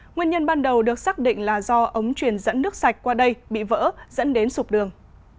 nguyên nhân ban đầu được xác định là do ống truyền dẫn nước sạch qua đây bị vỡ dẫn đến sụp đường